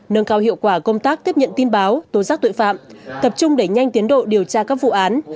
nâng cao hiệu quả công tác tiếp nhận tin báo tố giác tội phạm tập trung đẩy nhanh tiến độ điều tra các vụ án